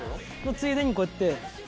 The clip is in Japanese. ついでにこうやって。